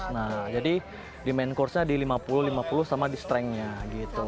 nah jadi di main course nya di lima puluh lima puluh sama di strength nya gitu